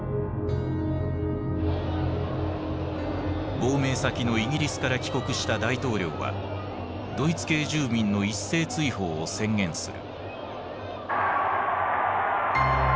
亡命先のイギリスから帰国した大統領はドイツ系住民の一斉追放を宣言する。